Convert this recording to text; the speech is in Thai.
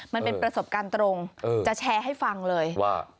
มันเป็นประสบการณ์ตรงจะแชร์ให้ฟังเลยว่า